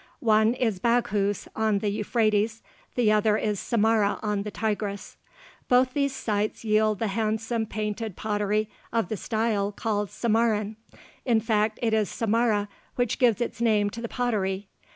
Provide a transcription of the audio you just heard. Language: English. One is Baghouz on the Euphrates; the other is Samarra on the Tigris (see map, p. 125). Both these sites yield the handsome painted pottery of the style called Samarran: in fact it is Samarra which gives its name to the pottery.